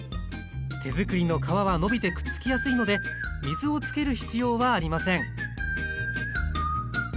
手づくりの皮は伸びてくっつきやすいので水をつける必要はありません